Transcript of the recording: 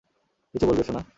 কিছু বলবে, সোনা?